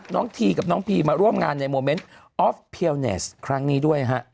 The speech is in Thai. ทีกับน้องพีมาร่วมงานในโมเมนต์ออฟเพียวเนสครั้งนี้ด้วยฮะ